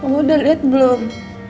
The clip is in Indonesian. kamu udah liat belum